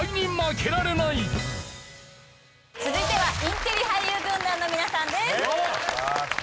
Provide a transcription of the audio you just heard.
続いてはインテリ俳優軍団の皆さんです。